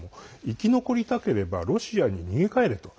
生き残りたければロシアに逃げ帰れと。